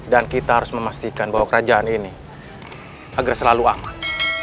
dan kita harus memastikan bahwa kerajaan ini agar selalu aman